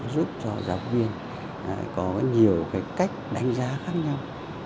giúp cho giáo viên có nhiều cái cách đánh giá khác nhau